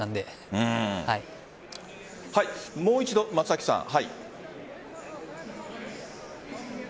もう一度、松崎さん。